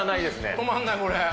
止まんない、これ、もう。